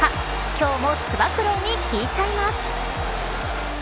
今日もつば九郎に聞いちゃいます。